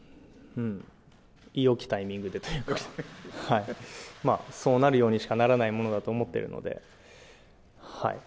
よきタイミングでというか、まあ、そうなるようにしかならないものだと思っているので、はい。